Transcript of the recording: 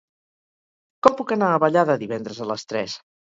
Com puc anar a Vallada divendres a les tres?